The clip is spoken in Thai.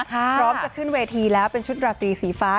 พร้อมจะขึ้นเวทีแล้วเป็นชุดราตรีสีฟ้า